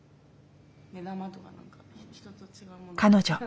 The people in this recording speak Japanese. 彼女。